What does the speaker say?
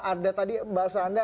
ada tadi bahasa anda